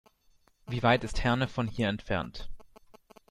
Wie weit ist Herne von hier entfernt?